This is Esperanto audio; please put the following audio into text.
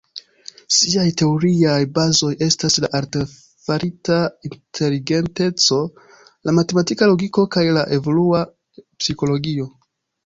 Siaj teoriaj bazoj estas la artefarita inteligenteco, la matematika logiko kaj la evolua psikologio.